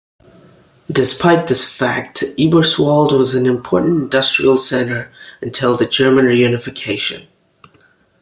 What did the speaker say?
Despite this fact, Eberswalde was an important industrial center until the German Reunification.